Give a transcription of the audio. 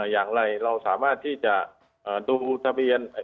อย่างไรเราสามารถที่จะดูทะเบียน